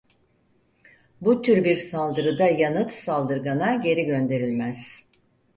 Bu tür bir saldırıda yanıt saldırgana geri gönderilmez.